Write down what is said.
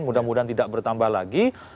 mudah mudahan tidak bertambah lagi